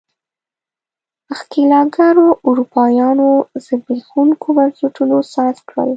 ښکېلاکګرو اروپایانو زبېښونکو بنسټونو ساز کړل.